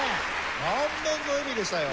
満面の笑みでしたよ。